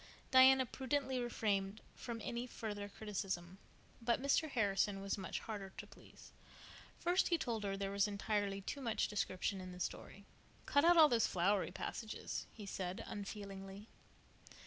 Diana prudently refrained from any further criticism, but Mr. Harrison was much harder to please. First he told her there was entirely too much description in the story. "Cut out all those flowery passages," he said unfeelingly.